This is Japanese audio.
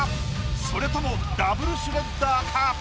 それともＷシュレッダーか？